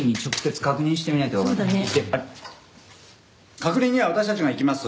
確認には私たちが行きます。